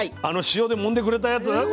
あの塩でもんでくれたやつ？